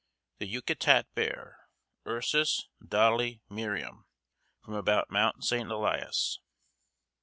THE YAKUTAT BEAR: Ursus dalli Merriam. From about Mount St. Elias.